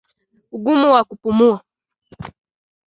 Ugumu wa kupumua